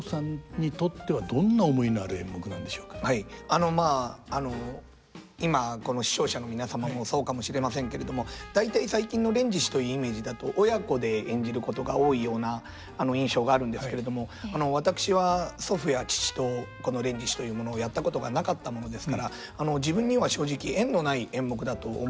あのまああの今この視聴者の皆様もそうかもしれませんけれども大体最近の「連獅子」というイメージだと親子で演じることが多いような印象があるんですけれども私は祖父や父とこの「連獅子」というものをやったことがなかったものですから自分には正直縁のない演目だと思っておりました。